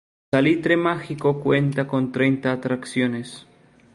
Salitre Mágico cuenta con treinta atracciones.